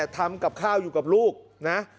ทำกับข้าวอยู่กับลูกนะ